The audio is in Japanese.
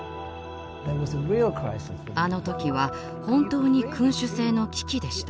あの時は本当に君主制の危機でした。